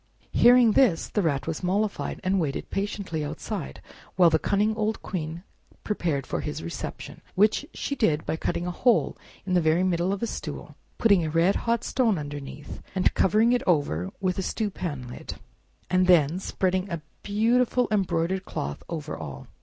Hearing this, the Rat was mollified, and waited patiently outside while the cunning old Queen prepared for his reception, which she did by cutting a hole in the very middle of a stool, putting a red hot stone underneath, covering it over with a stew pan lid, and then spreading a beautiful embroidered cloth over all.